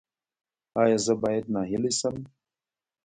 ایا زه باید ناهیلي شم؟